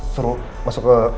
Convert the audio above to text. suruh masuk ke ruangan saya ya